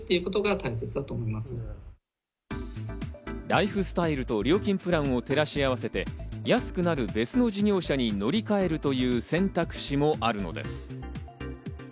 ライフスタイルと料金プランを照らし合わせて、安くなる別の事業者に乗り換えるという選択肢もあるのです。